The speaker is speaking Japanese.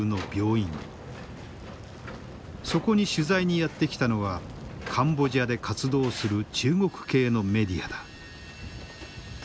そこに取材にやって来たのはカンボジアで活動する中国系のメディアだ。